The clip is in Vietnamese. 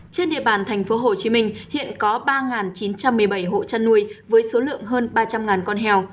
trên địa bàn tp hcm hiện có ba chín trăm một mươi bảy hộ chăn nuôi với số lượng hơn ba trăm linh con heo